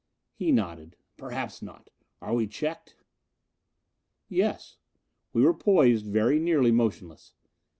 He nodded. "Perhaps not. Are we checked?" "Yes." We were poised, very nearly motionless.